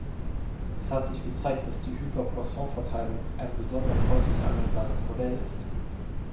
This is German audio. Es hat sich gezeigt, dass die Hyperpoisson-Verteilung ein besonders häufig anwendbares Modell ist.